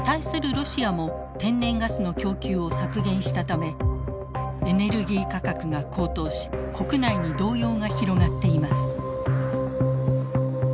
ロシアも天然ガスの供給を削減したためエネルギー価格が高騰し国内に動揺が広がっています。